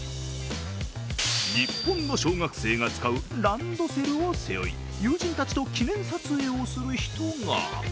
日本の小学生が使うランドセルを背負い友人たちと記念撮影する人が。